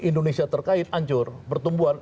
indonesia terkait hancur pertumbuhan